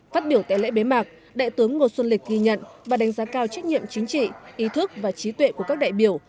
phát biểu tại lễ bế mạc đại tướng ngô xuân lịch ghi nhận và đánh giá cao trách nhiệm chính trị ý thức và trí tuệ của các đại biểu